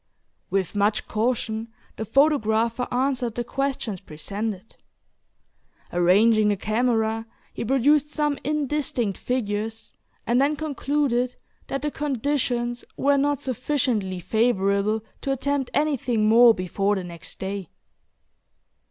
With much caution, the photographer answered the questions presented. Arranging the camera, he produced some indistinct figures, and then concluded that the "conditions" were not sufficiently favorable to attempt anything more before the next day.